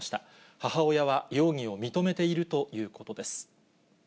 母親は容疑を認めているということです。